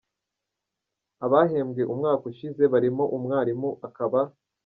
Abahembwe umwaka ushize barimo;, umwarimu akaba